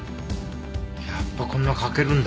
やっぱこんなかけるんだ。